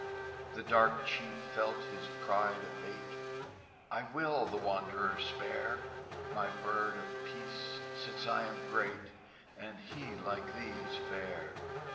The dark chief felt his pride abate: "I will the wanderer spare, My Bird of Peace, since I am great, And he, like thee, is fair!"